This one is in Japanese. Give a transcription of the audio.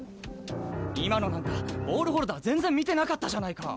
今のなんかボールホルダー全然見てなかったじゃないか！